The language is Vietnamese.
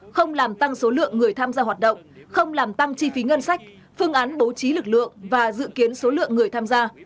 không làm tăng số lượng người tham gia hoạt động không làm tăng chi phí ngân sách phương án bố trí lực lượng và dự kiến số lượng người tham gia